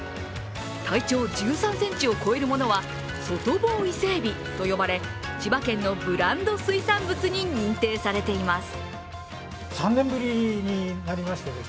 体長１３ｃｍを超えるものは外房イセエビと呼ばれ千葉県のブランド水産物に認定されています。